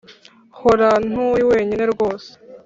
hora nturi wenyine rwose